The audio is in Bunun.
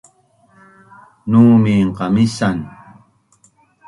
Numin qamisan